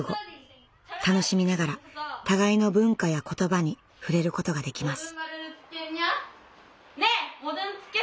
楽しみながら互いの文化や言葉に触れることができます。